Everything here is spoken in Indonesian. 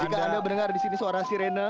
jika anda mendengar di sini suara sirena